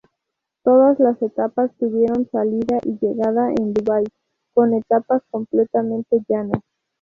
Todas las etapas tuvieron salida y llegada en Dubái con etapas completamente llanas.